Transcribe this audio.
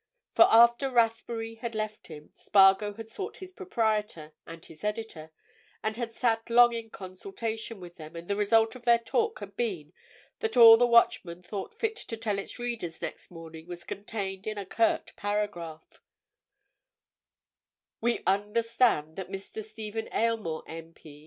For after Rathbury had left him, Spargo had sought his proprietor and his editor, and had sat long in consultation with them, and the result of their talk had been that all the Watchman thought fit to tell its readers next morning was contained in a curt paragraph: "We understand that Mr. Stephen Aylmore, M.P.